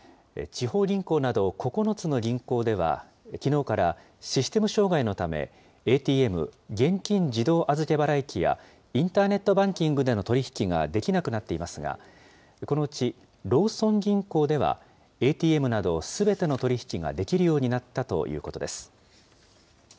地方銀行など９つの銀行では、きのうからシステム障害のため、ＡＴＭ・現金自動預払機やインターネットバンキングでの取り引きができなくなっていますが、このうちローソン銀行では、ＡＴＭなどすべての取り引きができるようになったということです。